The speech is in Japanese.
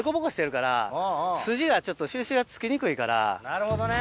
なるほどね。